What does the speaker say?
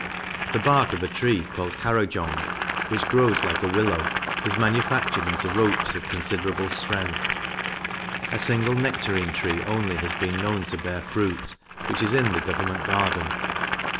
The bark of a tree called Carajong, which grows like a willow, is manufactured into ropes of considerable strength. A single nectarine tree only has been known to bear fruit, which is in the Government Garden.